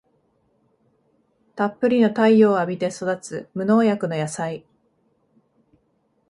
たっぷりの太陽を浴びて育つ無農薬の野菜